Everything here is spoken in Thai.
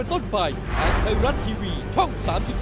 ไทยรัฐทีวีช่อง๓๒